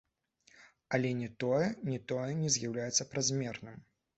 Але ні тое, ні тое не з'яўляецца празмерным.